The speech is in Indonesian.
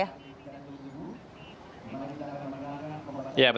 ya betul sekali teman teman